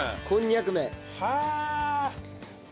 こんにゃく麺。